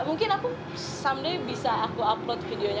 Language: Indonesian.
mungkin aku sumday bisa aku upload videonya